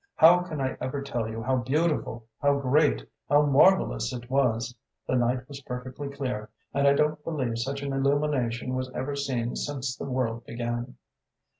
how can I ever tell you how beautiful, how great, how marvellous it was! The night was perfectly clear, and I don't believe such an illumination was ever seen since the world began.